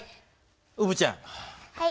うぶちゃん。